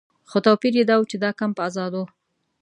خو توپیر یې دا و چې دا کمپ آزاد و.